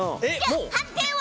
判定は？